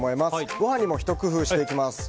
ご飯にもひと工夫していきます。